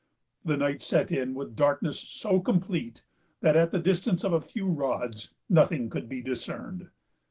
The night set in with darkness so complete, that at the distance of a few rods nothing could be discerned.